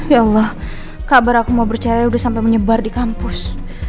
ya allah kabar aku mau percaya udah sampai menyebar di kampus